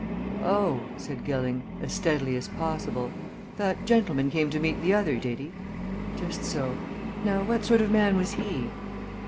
"Oh!" said Gilling, as steadily as possible. "That gentleman came to meet the other, did he? Just so. Now what sort of man was he?"